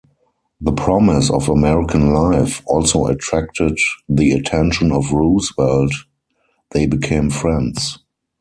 "The Promise of American Life" also attracted the attention of Roosevelt; they became friends.